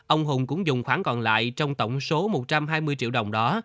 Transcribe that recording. ông hùng cũng dùng khoản còn lại trong tổng số một trăm hai mươi triệu đồng đó